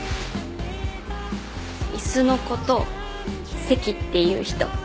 椅子のこと席って言う人。